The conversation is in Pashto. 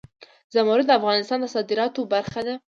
زمرد د افغانستان د صادراتو برخه ده.